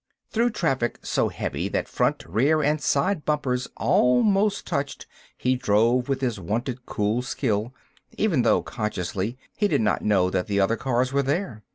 Through traffic so heavy that front , rear , and side bumpers almost touched he drove with his wonted cool skill; even though, consciously, he did not know that the other cars were there.